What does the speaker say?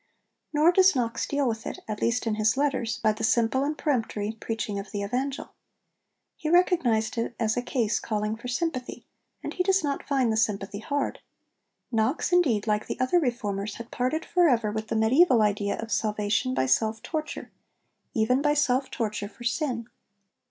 Nor does Knox deal with it at least in his letters by the simple and peremptory preaching of the Evangel. He recognised it as a case calling for sympathy, and he does not find the sympathy hard. Knox, indeed, like the other Reformers, had parted for ever with the mediæval idea of salvation by self torture even by self torture for sin.